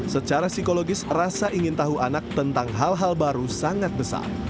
secara psikologis rasa ingin tahu anak tentang hal hal baru sangat besar